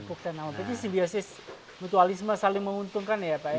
pupuk tanaman jadi simbiosis mutualisme saling menguntungkan ya pak ya